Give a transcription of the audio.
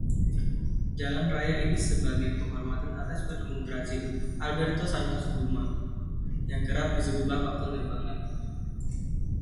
Jalan raya ini sebagai penghormatan atas penemu Brazil, Alberto Santos Dumont, yang kerap disebut “Bapak Penerbangan”.